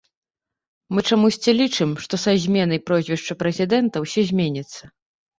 Мы чамусьці лічым, што са зменай прозвішча прэзідэнта ўсё зменіцца.